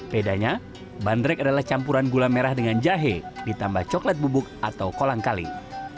bedanya bandrek adalah campuran gula merah dengan jahe ditambah coklat bubuk atau kolang kaling